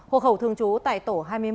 hộ khẩu thường trú tại tổ hai mươi một